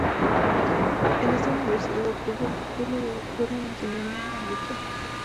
En esta universidad obtuvo el título de doctor en Ingeniería Ambiental.